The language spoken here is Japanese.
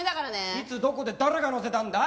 いつどこで誰がのせたんだ！？